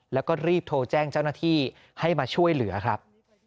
แล้วก็รีบโทรแจ้งเจ้าหน้าที่ให้มาช่วยเหลือครับ